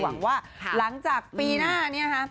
หวังว่าหลังจากปีหน้านี้ค่ะ